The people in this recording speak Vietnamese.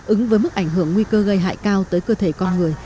ứng với mức ảnh hưởng nguy cơ gây hại cao tới cơ thể con người